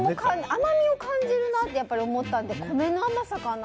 甘みを感じるなと思ったので米の甘さかな？